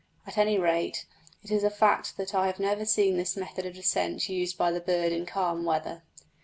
At any rate, it is a fact that I have never seen this method of descent used by the bird in calm weather.